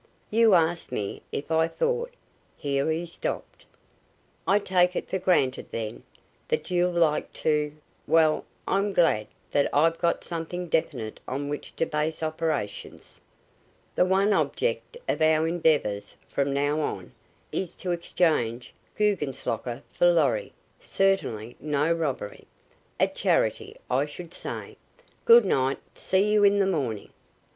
"You asked me if I thought " Here he stopped. "I take it for granted, then, that you'd like to. Well, I'm glad that I've got something definite on which to base operations. The one object of our endeavors, from now on, is to exchange Guggenslocker for Lorry certainly no robbery. A charity, I should say. Good night! See you in the morning."